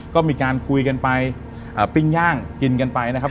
ก็มีการคุยกันไปปิ้งย่างกินกันไปนะครับ